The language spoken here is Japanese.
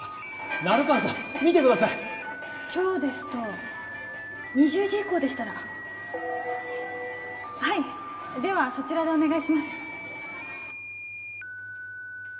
成川さん見てください今日ですと２０時以降でしたらはいではそちらでお願いします